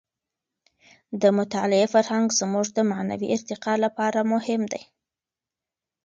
د مطالعې فرهنګ زموږ د معنوي ارتقاع لپاره مهم دی.